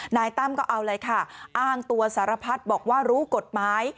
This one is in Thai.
นายตั้มก็เอาเลยค่ะอ้างตัวสารพัดบอกว่ารู้กฎหมาย